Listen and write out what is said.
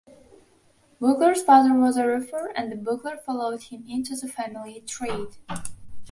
Buckler's father was a roofer, and Buckler followed him into the family trade.